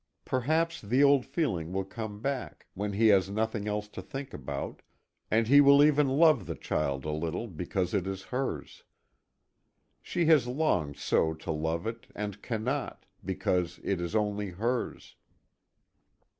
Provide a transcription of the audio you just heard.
Perhaps the old feeling will come back, when he has nothing else to think about, and he will even love the child a little because it is hers. She has longed so to love it, and cannot because it is only hers.